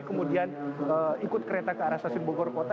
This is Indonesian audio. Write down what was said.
kemudian ikut kereta ke arah stasiun bogor kota